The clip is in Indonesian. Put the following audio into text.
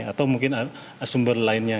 atau mungkin sumber lainnya